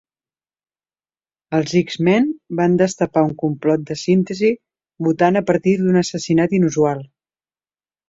Els X-Men van destapar un complot de síntesi mutant a partir d'un assassinat inusual.